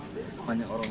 ini makanya diajarin